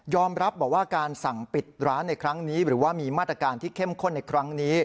รับบอกว่าการสั่งปิดร้านในครั้งนี้หรือว่ามีมาตรการที่เข้มข้นในครั้งนี้